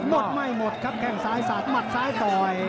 หมดไม่หมดครับแข้งซ้ายสาดหมัดซ้ายต่อย